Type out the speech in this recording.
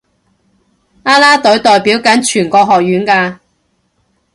啦啦隊係代表緊全個學院㗎